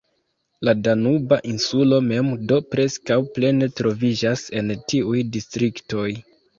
La Danuba Insulo mem do preskaŭ plene troviĝas en tiuj distriktoj.